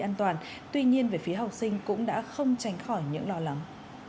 an toàn tuy nhiên về phía học sinh cũng đã không tránh khỏi những lo lắng